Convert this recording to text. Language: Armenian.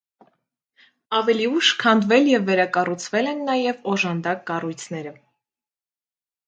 Ավելի ուշ քանդվել և վերակառուցվել են նաև օժանդակ կառույցները։